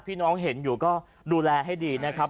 น้องเห็นอยู่ก็ดูแลให้ดีนะครับ